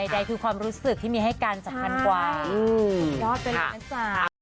ใดคือความรู้สึกที่มีให้กันสำคัญกว่า